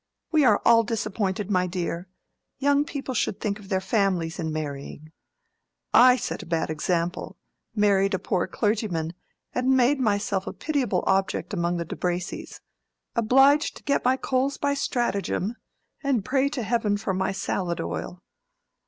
We are all disappointed, my dear. Young people should think of their families in marrying. I set a bad example—married a poor clergyman, and made myself a pitiable object among the De Bracys—obliged to get my coals by stratagem, and pray to heaven for my salad oil.